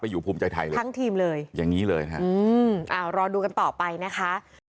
อยู่ภูมิใจไทยเลยทั้งทีมเลยอย่างนี้เลยนะฮะอืมอ่ารอดูกันต่อไปนะคะ